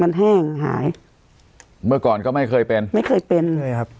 มันแห้งหายเมื่อก่อนก็ไม่เคยเป็นไม่เคยเป็นเคยครับ